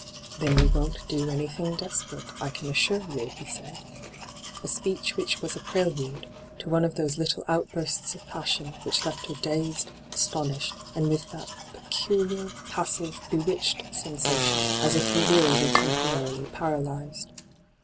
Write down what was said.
* Then you won't do anything desperate, D,gt,, 6rtbyGOOglC ii8 ENTRAPPED I can assure you,' he said — a speech which was a prelude to one of those little outbursts of passion which left her dazed, astonished, and with that peculiar passive, bewitched sensation as if her will were temporarily paralyzed.